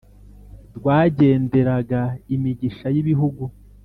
Rwagenderaga imigisha y’ibihugu,